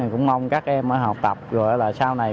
cũng mong các em học tập rồi là sau này